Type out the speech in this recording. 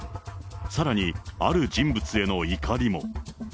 さらにある人物への怒りも。